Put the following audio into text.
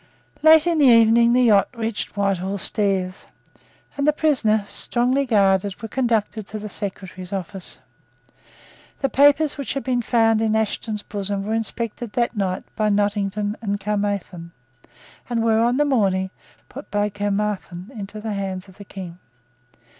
Late in the evening the yacht reached Whitehall Stairs; and the prisoners, strongly guarded, were conducted to the Secretary's office. The papers which had been found in Ashton's bosom were inspected that night by Nottingham and Caermarthen, and were, on the following morning, put by Caermarthen into the hands of the King.